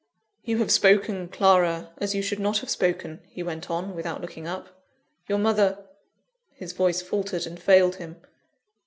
"You have spoken, Clara, as you should not have spoken," he went on, without looking up. "Your mother " his voice faltered and failed him.